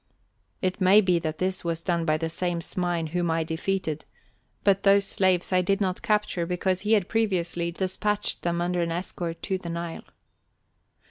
It may be that this was done by that same Smain whom I defeated, but those slaves I did not capture because he had previously despatched them under an escort to the Nile.